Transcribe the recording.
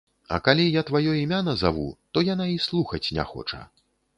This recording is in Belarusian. А калі я тваё імя назаву, то яна і слухаць не хоча.